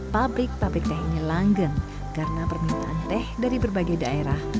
pabrik pabrik teh ini langgeng karena permintaan teh dari berbagai daerah